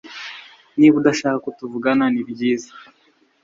Niba udashaka ko tuvugana, nibyiza.